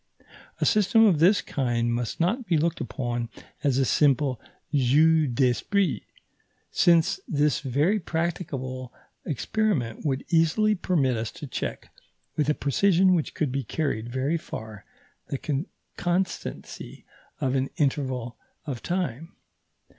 A system of this kind must not be looked upon as a simple jeu d'esprit, since this very practicable experiment would easily permit us to check, with a precision which could be carried very far, the constancy of an interval of time.